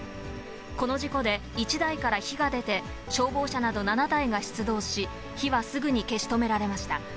この事故で、１台から火が出て、消防車など７台が出動し、火はすぐに消し止められました。